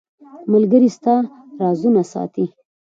• ملګری ستا رازونه ساتي.